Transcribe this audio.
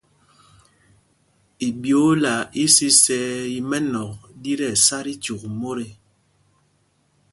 Iɓyoola isisɛɛ í mɛ́nɔ̂k ɗí tí ɛsá tí cyûk mot ê.